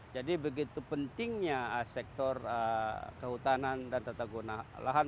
jadi begitu pentingnya sektor kehutanan dan tata guna lahan